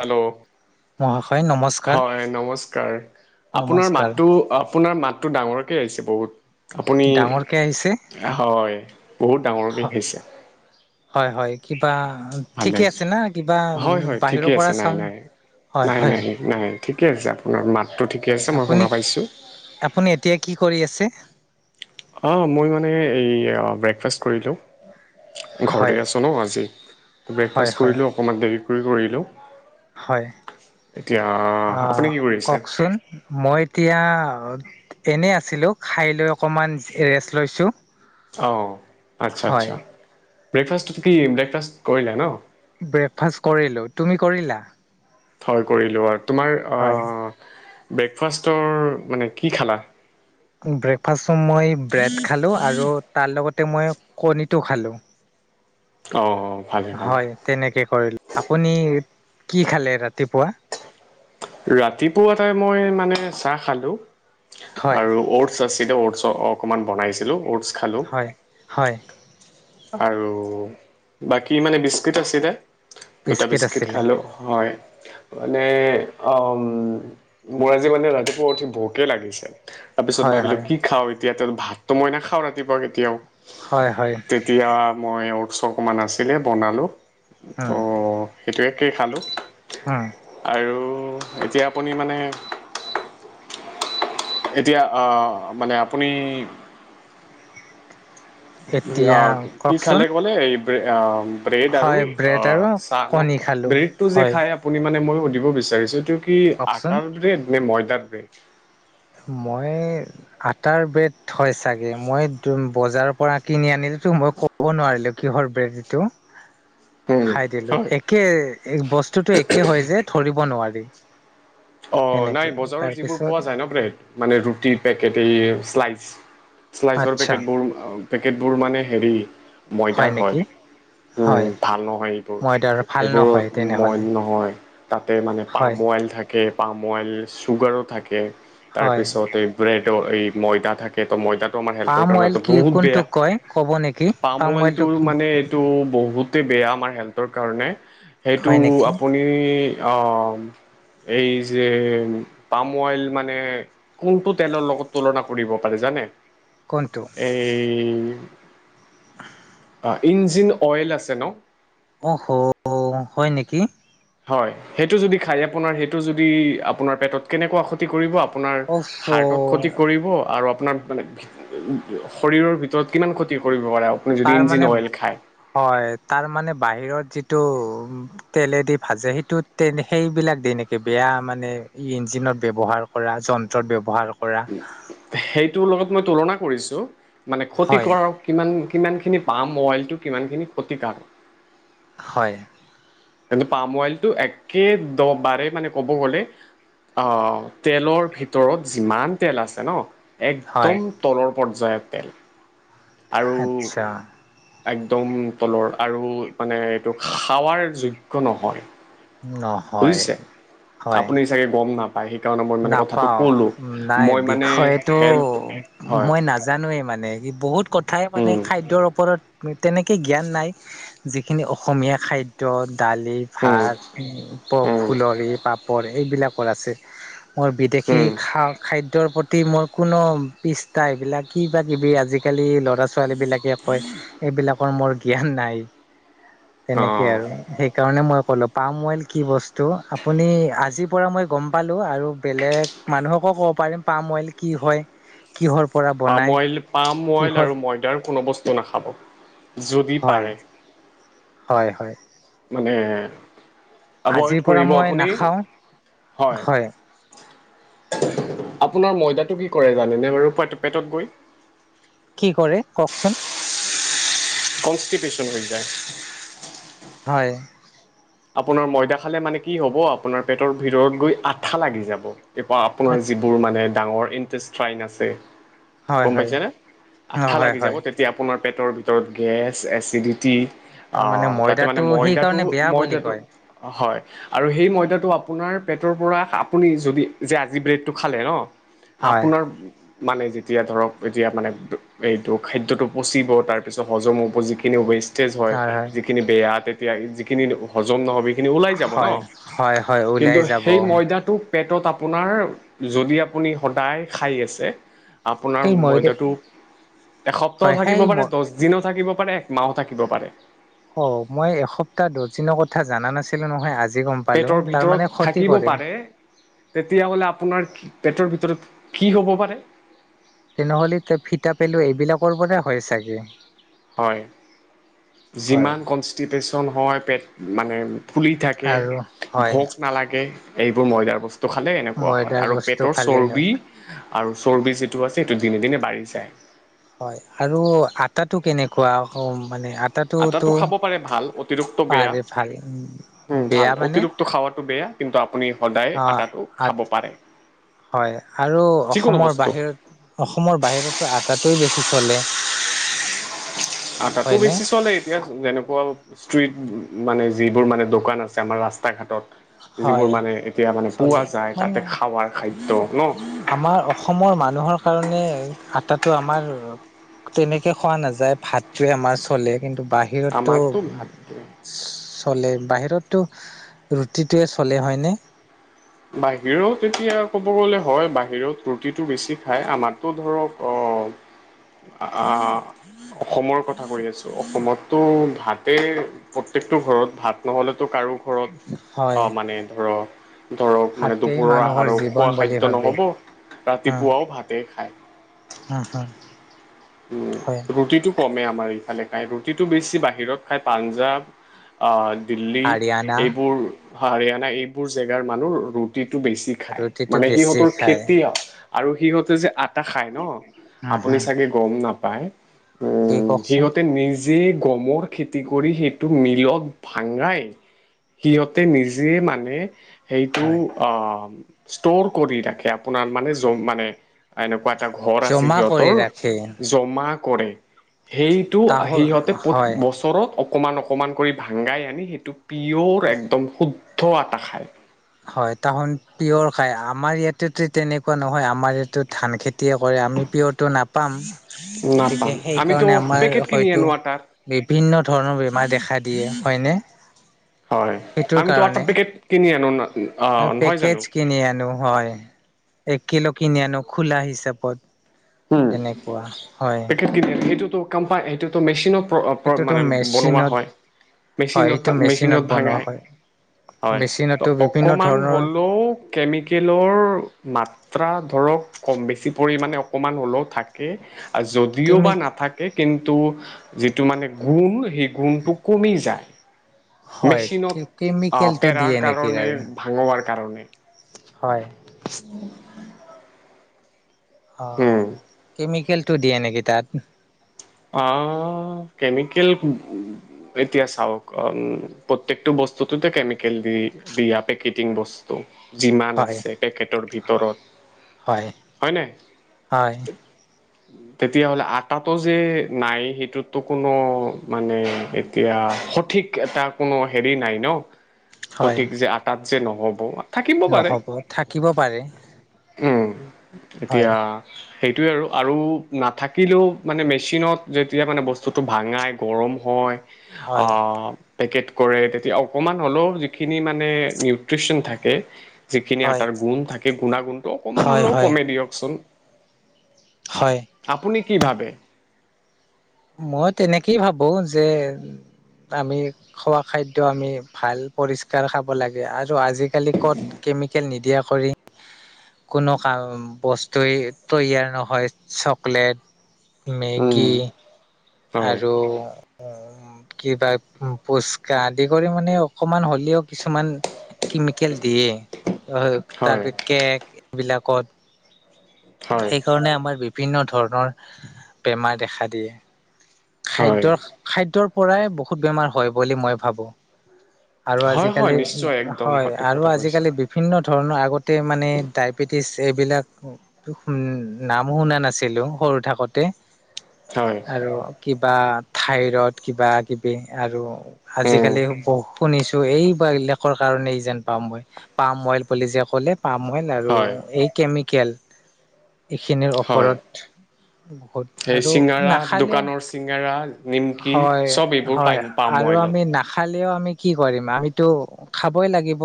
Hello. মহাশয় নমস্কাৰ হয় নমস্কাৰ, আপোনাৰ নমস্কাৰ মাতটো, আপোনাৰ মাত টো ডাঙৰকে আহিছে বহুত। আপুনি, ডাঙৰকে আহিছে হয়, বহুত ডাঙৰকৈ আহিছে। বা, ভালে ঠিকে আছে না, কিবা বাহিৰৰ পৰা চা নাই-নাই-নাই, ঠিকে আহিছে আপোনাৰ মাত টো ঠিকে হয় আছে মই আপুনি শুনা পাইছোঁ। আপুনি এতিয়া কি কৰি আছে অ', মই মানে এই আ ব্ৰেকফাষ্ট কৰিলোঁ। হয় ঘৰতে আছো ন' আজি, হয় ব্ৰেকফাষ্ট হয় কৰিলোঁ অকণমান দেৰি কৰি কৰিলোঁ। হয়। এতিয়া আপুনি অ', কি কৰিছে? কওকচোন, মই এতিয়া এনেই আছিলোঁ, খাই লৈ অকণমান ৰেষ্ট লৈছোঁ। অ', হয় আচ্ছা-আচ্ছা, ব্ৰেকফাষ্ট কি, ব্ৰেকফাষ্ট কৰেলো ন'? ব্ৰেকফাষ্ট কৰিলো, তুমি কৰিলা? হয় কৰিলো বাৰু, তোমাৰ হয় অ', ব্ৰেকফাষ্টৰ, মানে কি খালা? ব্ৰেকফাষ্টত মই ব্ৰেড খালো আৰু তাৰ লগত মই কণীটো খালোঁ। অ'। হয়, তেনেকে কৰিলো, আপুনি কি খালে ৰাতিপুৱা? ৰাতিপুৱাতে মই মানে চাহ খালো, হয় আৰু অৰ্ডছ আছিল অৰ্ডছ অকণমান বনাইছিলো অৰ্ডছ হয়, হয়। আৰু, বাকী মানে বিস্কুট আছিলে। দুটা বিস্কিট খালো, হয়। মানে, অ', মোৰ আজি মানে ৰাতিপুৱা উঠি ভোকে লাগিছে। তাৰ পিছত হয় ভাবিলো হয় কি খাও এতিয়া, ভাতটো মই নাখাওঁ ৰাতিপুৱা কেতিয়াও। হয়, হয়। তেতিয়া মই অৰ্ডছ অকণমান আছিলে বনালোঁ, ত' সেইটোৱে। তাকেই খালোঁ। হা। আৰু, এতিয়া আপুনি মানে এতিয়া আ মানে আপুনি এতিয়া আহ কি কওকচোন খালে ক'লে এই আহ ব্ৰেড আৰু হয় ব্ৰেড আহ আৰু চাহ ন, কণী খালোঁ ব্ৰেডটো যে হয় খাই আপুনি মানে মই দিব বিচাৰিছো, এইটো কি কওকচোন আটাৰ ব্ৰেড নে ময়দাৰ ব্ৰেড? মই, আটাৰ ব্ৰেড হয় চাগে, মই বজাৰৰ পৰা কিনি আনি টো মই ক'ব নোৱাৰিলো, কিহৰ ব্ৰেড এইটো। উম খাই দিলো, হয় একে, বস্তুতটো একে হয় যে ধৰিব নোৱাৰি। অ', এনেকে নাই, বজাৰত যিবোৰ তাৰপিছত পোৱা যায় ন ব্ৰেড মানে ৰুটিৰ পেকেট, এই শ্লাইচ, শ্লাইচৰ আচ্ছা পেকেটবোৰ অ পেকেটবোৰ মানে হেৰি, ময়দাৰ হয়, উম, হয় ভাল নহয় এইবোৰ। ময়দাৰ ভাল নহয় এইবোৰত মইল তেনেহ'লে নহয় তাতে মানে হয় পাম অইল থাক কে পাম অইল চুগাৰো থাকে, তাৰ হয় পিছত এই ব্ৰেড টো এই ময়দা থাকে তো ময়দাত। ত' আমাৰ হেলথ্‌ৰ পাম কাৰণ অইল কি বহুত বেয়া, কোনটোক কয় ক'ব নেকি পাম অইলটো কি মানে এইটো বহুত। বেয়া আমাৰ হেলথ্‌ৰ কাৰণে সেইটো হয় নেকি আপুনি। অ'। এই যে পাম অইল মানে কোনটো তেলৰ লগত তুলনা কৰিব পাৰে জানে। কোনটো এই। [inaudible] ইঞ্জিন অইল আছে ন'। অ', হো হয় নেকি? হয় সেইটো যদি খায় আপোনাৰ সেইটো যদি আপোনাৰ পেটত কেনেকুৱা ক্ষতি কৰিব। আপোনাৰ অচ হাৰ্টত ক্ষতি কৰিব আৰু। আপোনাৰ মানে শৰীৰৰ ভিতৰত কিমান ক্ষতি কৰিব। পাৰে আপুনি যদি তাৰ ইঞ্জিন মানে অইল খায় হয় তাৰ মানে বাহিৰত যি। টো তেলেদি ভাজে, সেইটো তেল সেইবিলাক দে নেকি বেয়া মানে ইঞ্জিনত। ব্যৱহাৰ কৰা যন্ত্ৰত ব্যৱহাৰ কৰা। সেইটোৰ লগত মই তুলনা কৰিছোঁ মানে ক্ষতি হয় কৰ কিমান। কিমানখিনি পাম অইলটো কিমানখিনি ক্ষতিকাৰক। হয়। কিন্তু পাম অইলটো একে দ বাৰে মানে ক'ব গ'লে। অ', তেলৰ ভিতৰত যিমান তেল আছে ন'। হয় একদম তলৰ পৰ্যায়ৰ তেল। আৰু আচ্ছা। একদম তলৰ আৰু মানে এইটো খোৱাৰ যোগ্য নহয়। নহয় বুজিছে হয় আপুনি চাগে গম নাপায়। সেইকাৰণে মই মানে কথাটো নাপাওঁ ক'লোঁ নাই মই মানে বিষয়টো হেল্থ হয় মই নাজানোৱেই মানে কি। বহুত কথাই মানে উম খাদ্যৰ ওপৰত। তেনেকে জ্ঞান নাই যিখিনি অসমীয়া খাদ্য দালি উম ভাত। বক উম ফুলৰ এই পাপৰ সেইবিলাকৰ আছে। মোৰ বিদেশী উম খা খাদ্যৰ প্ৰতি মোৰ কোনো পিষ্টা এইবিলাক কিবা কিবি আজিকালি। কালিৰ ল'ৰা-ছোৱালী বিলাকে কয় এইবিলাকৰ মোৰ জ্ঞান নাই। তেনেকে অঁ আৰু সেইকাৰণে মই কলো পাম অইল কি বস্তু আপুনি আজিৰ পৰা মই। গম পালো আৰু বেলেগ মানুহকো ক'ব পাৰিম পাম অইল কি হয় কিহৰ। পৰা পাম বনাই অইল পাম অইল কিহত আৰু ময়দাৰ কোনো বস্তু নাখাব। যদি হয় পাৰে। হয় হয়। মানে। আজিৰ এভইড পৰা কৰিব মই আপুনি নাখাও হয়। আপোনাৰ ময়দাটো কি কৰে জানেনে বাৰু পেটত গৈ। কি কৰে কওকচোন। কনষ্টিপেচন হৈ যায়। হয়। আপোনাৰ ময়দা খালে মানে কি হব আপোনাৰ পেটৰ ভিতৰত গৈ আঠা লাগি যাব। আপোনাৰ যিবোৰ মানে ডাঙৰ ইনটেষ্টট্ৰাইন আছে। হয় গম হয় পাইছে নে অ আঠা হয় লাগি যাব হয় তেতিয়া আপোনাৰ। পেটৰ ভিতৰত গেছ এচিডিটি তাৰমানে অ' তাতে মানে ময়দাটো ময়দাটো সেইকাৰণে বেয়া বুলি ময়দা। কয় হয়। আৰু সেই ময়দাটো আপোনাৰ পেটৰ পৰা আপুনি যদি যে আজি ব্ৰেডটো খালে ন'। হয় আপোনাৰ। মানে যেতিয়া ধৰক এতিয়া মানে এইটো খাদ্যটো পচিব তাৰপিছত হজম হব যিখিনি ৱেস্ত [unintelligible] জ হয় যিখিনি বেয়া তেতিয়া যিখিনি হজম নহবি খিনি ওলাই যাব ন হয় হয় হয় ওলাই কিন্তু যাব সেই ময়দাটোক পেটত আপোনাৰ যদি আপুনি সদায় খাই আছে আপোনাৰ সেই ময়দা ময়দাটো এসপ্তাহ হয় থাকিব সেই পাৰে ম দহ দিনো থাকিব এক মাহো থাকিব পাৰে। অ মই এসপ্তাহ দহ দিনৰ কথা জাননা নাছিলো নহয় আজি- গম পালো পেটৰ তাৰমানে ভিতৰত ক্ষতি থাকিব কৰে পাৰে তেতিয়া হ'লে আপোনাৰ পেটৰ ভিতৰত কি হ'ব পাৰে? তেনেহ'লে ফিটাপেলু এইবিলাকৰ পৰাই হয় চাগে। হয় হয় যিমান কনষ্টিপেশচন হয় পেট মানে ফুলি থাকে আৰু হয় ভোক নালাগে এইবোৰ ময়দাৰ বস্তু টো খালে এনেকুৱা হয় ময়দাৰ আৰু বস্তু পেটৰ খালে ন চৰ্বি আৰু চৰ্বি যিটো আছে সেইটো দিনে দিনে বাঢ়ি যায়। হয় আৰু আটাটো কেনেকুৱা মানে আটাতো আটাটো খাব পাৰে ভাল অতিৰিক্ত বেয়া ভাল বেয়া মানে অতিৰিক্ত খোৱাটো বেয়া কিন্তু আপুনি সদায় অ আটাটো আ খাব পাৰে। হয় আৰু যিকোনো অসমৰ বস্তু বাহিৰত অসমৰ বাহিৰতো আটাতোৱে বেছি চলে। আটাতো হয়নে বেছি চলে এতিয়া যেনেকুৱা ষ্ট্ৰ্ৰীট মানে যিবোৰ মানে দোকান আছে আমাৰ ৰাস্তা ঘাটত যিবোৰ হয় মানে এতিয়া মানে পোৱা চলে যায় তাতে মানে খাৱাৰ খাদ্য ন- আমাৰ অসমৰ মানুহৰ কাৰণে আটাটো আমাৰ তেনেকে খোৱা নাযায় ভাতটোৱে আমাৰ চলে কিন্তু বাহিৰত আমাৰতো ভাতটো তো- চলে বাহিৰততো ৰুটিটোৱে চলে হয়নে? বাহিৰত এতিয়া ক'ব গলে হয় বাহিৰত ৰুটিটো বেছি খাই আমাৰতো ধৰক অ, আ অসমৰ কথা কৈ আছো অসমততো ভাতেই প্ৰত্যেকটো ঘৰত ভাত নহ'লেতো কাৰো ঘৰত হয় মানে ধৰক ধৰক মানে ভাতেই দুপৰৰ মানুহৰ আহাৰ খোৱা জীৱন বুলি খাদ্য ভাবে নহ'ব ৰাতিপুৱাও ভাতে খায়। হুম হুম। উম ৰুটিটো কমে আমাৰ এইফালে খাই ৰুটিটো বেছি বাহিৰত খাই পাঞ্জাৱ আহ। দিল্লী হাৰিয়ানা এইবোৰ হাৰিয়ানা এইবোৰ জেগাৰ মানুহ ৰুটি বেছি খাই ৰুটিটো মানে বেছি সিহঁতৰ খায় খেতি আৰু সিহঁতে যে আ আটা খাই ন উম আপুনি হম চাগে গম কি উম কওকচোন সিহতে নিজে যে গমৰ খেতি কৰি সেইটো মিলক ভাঙাই। সিহঁতে নিজে মানে সেইটো হয় অ ষ্টোৰ কৰি ৰাখে আপোনাৰ মানে জম মানে এনেকুৱা এটা ঘৰ আছে জমা কৰি সিহঁতৰ। ৰাখে জমা কৰে সেইটো তাহো সিহঁতে হয় বছৰত- অকণমান অকমান কৰি ভাঙাই আনি সেইটো পিয়ৰ একদম শুদ্ধ আটা খায়। হয় তাহোন পিয়ৰ খায়। আমাৰ ইয়াতেতো তেনেকুৱা নহয় আমাৰ ইয়াতো ধান খেতিয়ে কৰে আমি পিয়ৰটো নাপাম। নাপাম গতিকে আমিতো সেইকাৰণে আমাৰ পেকেট কিনি হয়তো আনো আটাৰ বিভিন্ন ধৰণৰ বেমাৰ দেখা দিয়ে হয়নে? হয় সেইটোৰ আমিতো আটা কাৰণে পেকট কিনি আ পেকেজ কিনি আনো হয় এক কিলো কিনি আনো খোলা হিচাপত উম। তেনেকুৱা হয়। কম্পা এয়ইটোতো মেচিনত সেইটোতো মানে বনোৱা মেচিনত হয় হয় মেচিনত, এইটো মেচিনত বনোৱা ভাঙাই। হয় হয় মেচিনতো তাত বিভিন্ন অকমান ধৰণৰ হ'লেও কেমিকেলৰ মাত্ৰা ধৰ কম বেছি পৰিণে অকমান হ'লেও থাকে। যদিও বা কেমি নাথাকে কিন্তু যিটো মানে গুণ সেই গুণটো কমি যায়। হয় মেচিনত আহ কেমিকেলটো দিয়ে পেৰাৰ নেকি কাৰণে তাৰে ভাঙোৱাৰ কাৰণে। হয় [inaudible] অ হম কেমিকেলটো দিয়ে নেকি তাত? অ কেমিকেল এতিয়া চাওক, প্ৰট্ৰেকটো ব বস্তু টোতু কেমিকেল দি দিয়া, পেকেটিং বস্তু যিমান হয় আছে পেকেটৰ ভিতৰত। হয় হয় তেতিয়া হ'লে আটা তো যে নাই সেইটোতো কোনো মানে এতিয়া সঠিক এটা কোনো নাই ন হয় সঠিক যে আটাত যে নহ'ব। থাকিব নহ'ব থাকিব পাৰে। উ, হয় এতিয়া সেইটোৱে আৰু। আৰু নাথাকিলেও মানে মেচিনত যেতিয়া মানে বস্তুটো ভাঙাই গৰম হয়, অ হয় পেকেট কৰে তেতিয়া অকমান হ'লেও যিখিনি মানে নিউট্ৰিচন থাকে যিখিনি হয় আটাৰ গুণ থাকে। গুণা গুণটো অকমান হয় হলেও হয় কমে দিয়কচোন। হয় আপুনি কি ভাবে? মই তেনেকেই ভাবো যে আমি খোৱা খাদ্য আমি ভাল পৰিস্কাৰ খাব লাগে। আৰু আজিকালি ক'ত কেমিকেল নিদিয়া কৰি কোনো কাম বস্তুৱেই তৈয়াৰ নহয়। চকলেট উম মেগী হয় আৰু কিবা পুস্কা আদি কৰি মানে অকমান হ'লেও কিছুমান কেমিকেল দিয়ে, তাৰ হয় পা কেক এইবিলাকত। হয় সেইকাৰণে আমাৰ বিভিন্ন ধৰণৰ বেমাৰ দেখা দিয়ে। খাদ্য, হয় খাদ্যৰ পৰাই বহুত বেমাৰ হয় বুলি মই ভাবো। আৰু হয় হয় আজিকালি নিশ্চয় একদম হয়, সঠিক আৰু কথা কৈছে আজিকালি বিভিন্ন ধৰণৰ আগত তে মানে ডায়বেটিছ এইবিলাক নামো শুনা নাছিলো সৰু থাকোতে। হয় আৰু কিবা থাইৰড্ কিবা কিবি আৰু উম আজিকালি বহুত শুনিছোঁ এই বিলাকৰ কাৰণে যেন পাওঁ মই। পাম অইল বুলি যে ক'লে পামইল আৰু। হয় এই কেমিকেল [inaudible] এইখিনিৰ হয় ওপৰত বহুত, সেই আৰু চিঙাৰা নাখালেও দোকানৰ চিঙাৰা নিমকি হয়, চব এইবোৰ পাই হয় পাম আৰু মবাইলত আমি নখালেও খালেও আমি কি কৰিম। আমি তো খাবই লাগিব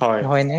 হয় হয়নে